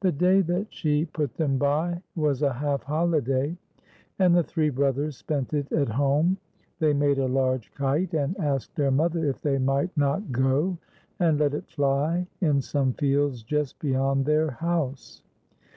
The day that she put them by was a half holiday, and the three brothers spent it at home. They made a large kite, and asked their mother if they might not go and let it fly in some fields just beyond their house.